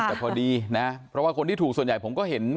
แต่พอดีนะเพราะว่าคนที่ถูกส่วนใหญ่ผมก็เห็น